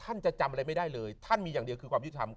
ท่านจะจำอะไรไม่ได้แล้วความยุติธรรม